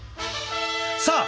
さあ